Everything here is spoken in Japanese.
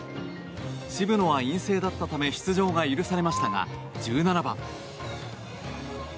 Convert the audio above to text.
渋野は陰性だったため出場が許されましたが１７番。